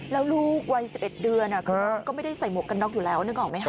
แล้วลูกวัย๑๑เดือนคือน้องก็ไม่ได้ใส่หมวกกันน็อกอยู่แล้วนึกออกไหมคะ